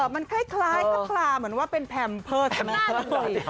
มันคล้ายคลาเหมือนว่าเป็นแพมเพอร์สักหน่อย